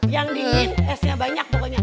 yang dingin esnya banyak pokoknya